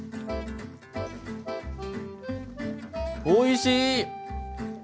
おいしい！